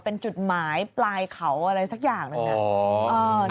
เป็นจุดหมายปลายเขาอะไรสักอย่างหนึ่ง